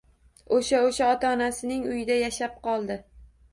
Oʻsha-oʻsha ota-onasining uyida yashab qoldi